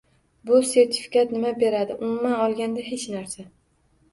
Bu sertifikat nima beradi? Umuman olganda, hech narsa